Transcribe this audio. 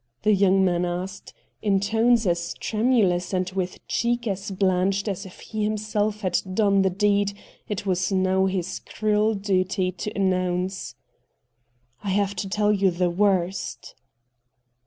' the young man asked, in tones as tremulous and with cheek as blanched as if he himself had done the deed it was now his cruel duty to announce. ' I have to tell you the worst.'